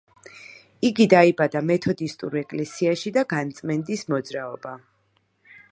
იგი დაიბადა მეთოდისტურ ეკლესიაში და განწმენდის მოძრაობა.